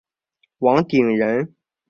王鼎人。